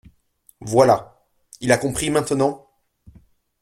Voilà. Il a compris, maintenant?